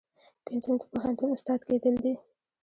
پنځم د پوهنتون استاد کیدل دي.